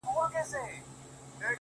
ماته زارۍ كوي چي پرېميږده ه ياره،